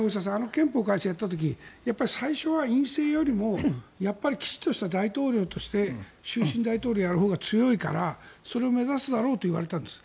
憲法改正をやった時にやっぱり最初は院政よりもきちんとした大統領として終身大統領をやるほうが強いからそれを目指すだろうといわれたんです。